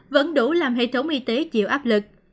vẫn đủ làm hệ thống y tế chịu áp lực